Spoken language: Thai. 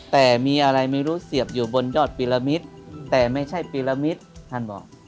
แต่มีอะไรไม่รู้เสียบอยู่บนยอดปีละมิตรแต่ไม่ใช่ปีละมิตรท่านบอก